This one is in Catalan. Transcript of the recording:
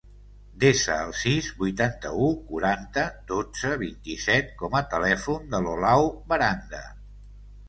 Desa el sis, vuitanta-u, quaranta, dotze, vint-i-set com a telèfon de l'Olau Baranda.